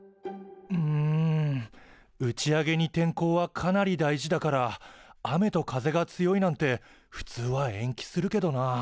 うん打ち上げに天候はかなり大事だから雨と風が強いなんてふつうは延期するけどな。